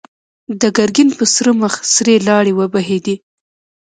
د ګرګين پر سره مخ سرې لاړې وبهېدې.